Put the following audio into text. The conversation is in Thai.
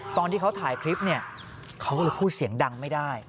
ตอนที่เขาถ่ายคลิปเนี่ยเขาเลยพูดเสียงดังไม่ได้